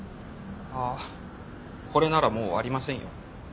あっこれならもうありませんよ。